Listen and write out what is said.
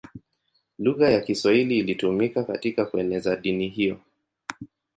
Lugha ya Kiswahili ilitumika katika kueneza dini hiyo.